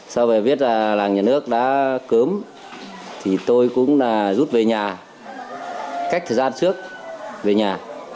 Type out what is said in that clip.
sau về biết là làng nhà nước đã cớm thì tôi cũng rút về nhà cách thời gian trước về nhà